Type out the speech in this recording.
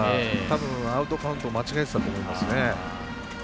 アウトカウントを間違えてたんだと思うんですね。